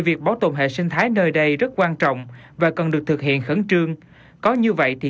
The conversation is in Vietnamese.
việc bảo tồn hệ sinh thái nơi đây rất quan trọng và cần được thực hiện khẩn trương có như vậy thì